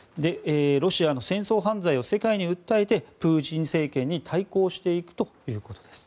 ロシアの戦争犯罪を世界に訴えてプーチン政権に対抗していくということです。